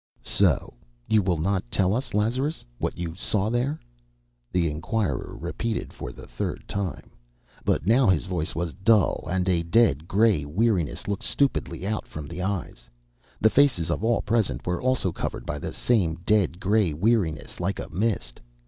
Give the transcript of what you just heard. "So you will not tell us, Lazarus, what you saw There?" the inquirer repeated for the third time. But now his voice was dull, and a dead, grey weariness looked stupidly from out his eyes. The faces of all present were also covered by the same dead grey weariness like a mist.